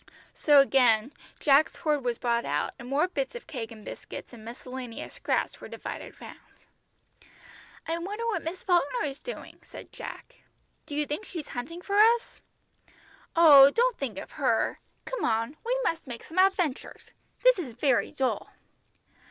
So again Jack's hoard was brought out, and more bits of cake and biscuits and miscellaneous scraps were divided round. "I wonder what Miss Falkner is doing," said Jack, "do you think she's hunting for us?" "Oh, don't think of her. Come on, we must make some adventures. This is very dull."